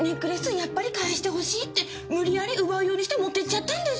やっぱり返して欲しいって無理矢理奪うようにして持ってっちゃったんです！